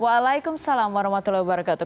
waalaikumsalam warahmatullahi wabarakatuh